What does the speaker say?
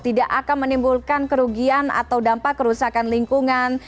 tidak akan menimbulkan kerugian atau dampak kerusakan lingkungan